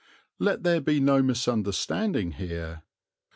Let there be no misunderstanding here.